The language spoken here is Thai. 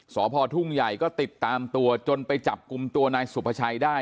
สพทุ่งใหญ่ก็ติดตามตัวจนไปจับกลุ่มตัวนายสุภาชัยได้